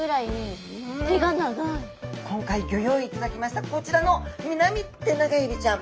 今回ギョ用意いただきましたこちらのミナミテナガエビちゃん。